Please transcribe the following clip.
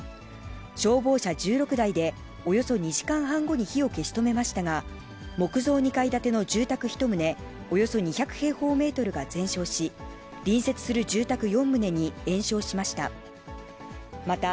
消防車１６台で、およそ２時間半後に火を消し止めましたが、木造２階建ての住宅１棟、およそ２００平方メートルが全焼し、隣接する住宅４棟に延焼しました。